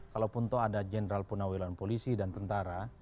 kalaupun ada jenderal punawilan polisi dan tentara